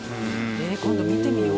今度見てみよう。